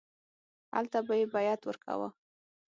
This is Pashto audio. هلته به یې بیعت ورکاوه.